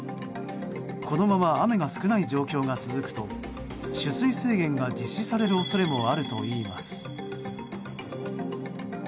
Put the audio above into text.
このまま雨が少ない状況が続くと取水制限が実施される恐れもあるといいます。